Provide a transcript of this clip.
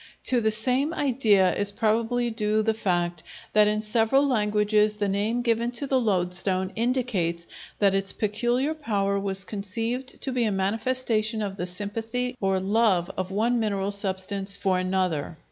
To the same idea is probably due the fact that in several languages the name given to the loadstone indicates that its peculiar power was conceived to be a manifestation of the sympathy or love of one mineral substance for another.